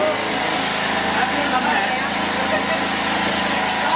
อันดับที่สุดท้ายก็จะเป็น